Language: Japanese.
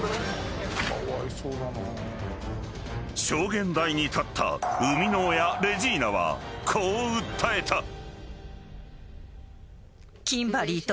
［証言台に立った生みの親レジーナはこう訴えた］